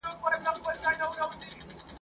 د خپلو تبلیغاتو لپاره کاروي ..